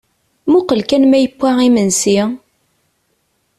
Muqel kan ma yewwa yimensi?